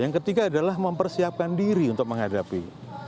yang ketiga adalah mempersiapkan diri untuk menghadapi